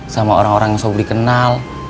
sama orang orang yang sobri kenal